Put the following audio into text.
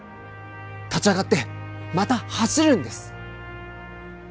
立ち上がってまた走るんです！